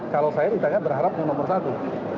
kalau saya berharap itu nomor satu